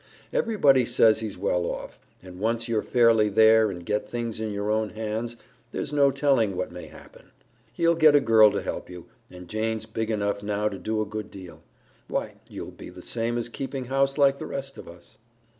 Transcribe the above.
Everybody says he's well off, and once you're fairly there and get things in your own hands, there's no telling what may happen. He'll get a girl to help you, and Jane's big enough now to do a good deal. Why, you'll be the same as keeping house like the rest of us."